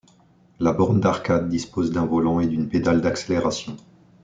La borne d'arcade dispose d'un volant et d'une pédale d'accélération.